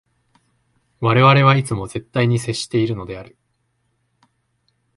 我々はいつも絶対に接しているのである。